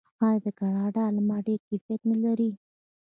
آیا د کاناډا الماس ډیر کیفیت نلري؟